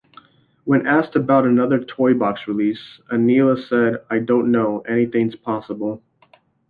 When asked about another Toy-Box release, Aneela said, I don't know, anything's possible.